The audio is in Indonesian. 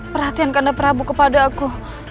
perhatian kandang prabu kepada aku